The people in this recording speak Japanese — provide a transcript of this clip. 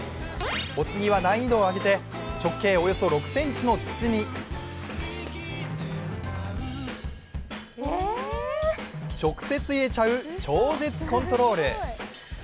お次は難易度を上げて直径およそ６ｃｍの筒に直接入れちゃう超絶コントロール。